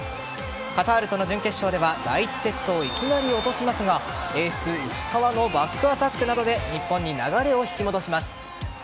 カタールとの準決勝では第１セットをいきなり落としますがエース・石川のバックアタックなどで日本に流れを引き戻します。